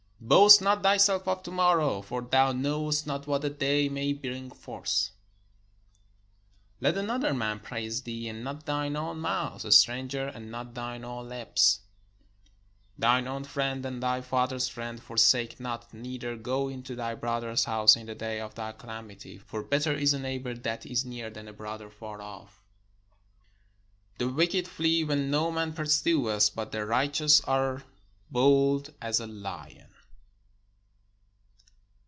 Boast not thyself of to morrow; for thou knowest not what a day may bring forth. Let another man praise thee, and not thine own mouth; a stranger, and not thine own lips. Thine own friend, and thy father's friend, forsake not; neither go into thy brother's house in the day of thy calamity: for better is a neighbour that is near than a brother far off. The wicked flee when no man pursueth: but the righteous are bold as a lion.